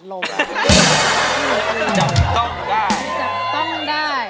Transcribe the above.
จับต้องได้